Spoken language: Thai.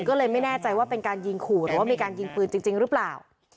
ก็เลยไม่แน่ใจว่าเป็นการยิงขู่หรือว่ามีการยิงปืนจริงหรือเปล่า